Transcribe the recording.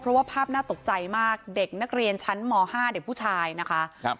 เพราะว่าภาพน่าตกใจมากเด็กนักเรียนชั้นม๕เด็กผู้ชายนะคะครับ